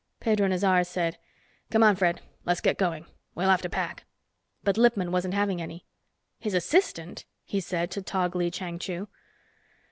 Pedro Nazaré said, "Come on, Fred, let's get going, we'll have to pack." But Lippman wasn't having any. "His assistant?" he said to Tog Lee Chang Chu.